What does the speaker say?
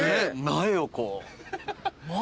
前をこう。